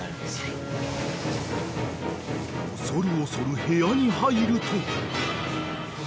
［恐る恐る部屋に入ると］